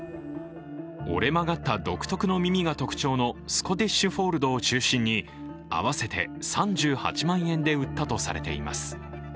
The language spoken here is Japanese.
折れ曲がった独特の耳が特徴のスコティッシュフォールドを中心に合わせて３８万で売ったとされています。